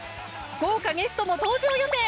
豪華ゲストも登場予定。